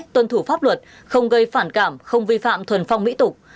tuân thủ pháp luật không gây phản cảm không vi phạm thuần phong mỹ tục